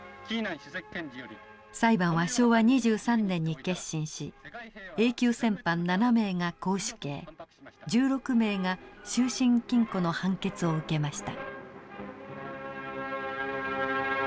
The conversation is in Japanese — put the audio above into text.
裁判は昭和２３年に結審しＡ級戦犯７名が絞首刑１６名が終身禁固の判決を受けました。